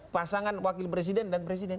pasangan wakil presiden dan presiden